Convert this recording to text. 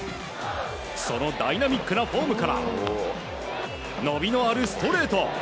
そのダイナミックなフォームから伸びのあるストレート。